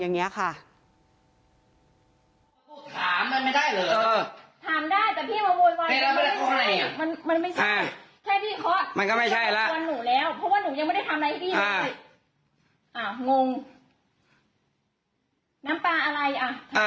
อย่างเงี้ยค่ะถามมันไม่ได้เหรอเออ